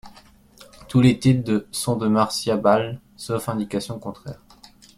Tous les titres sont de Marcia Ball sauf indication contraire.